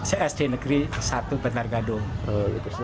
csd negeri satu bantar gadung